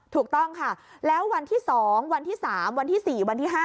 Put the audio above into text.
ถูกต้องค่ะแล้ววันที่๒วันที่๓วันที่๔วันที่๕